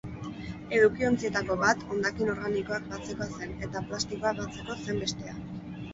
Edukiontzietako bat hondakin organikoak batzeko zen, eta plastikoa batzeko zen bestea.